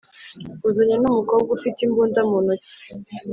uzanye numukobwa ufite imbunda muntoki